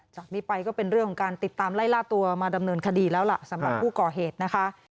จากนี้ไปก็เป็นเรื่องของการติดตามไล่ล่าตัวมาดำเนินคดีแล้วล่ะสำหรับผู้ก่อเหตุนะคะ